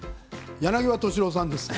柳葉敏郎さんですね。